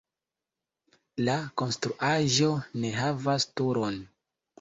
La konstruaĵo ne havas turon.